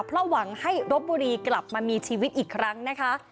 เพราะหวังให้รบบุรีกลับมามีชีวิตอีกครั้งนะคะ